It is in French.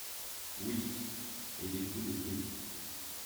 Oui, et des coups d’épée…